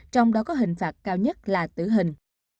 trong đó có hình phạt cao nhất là tử hình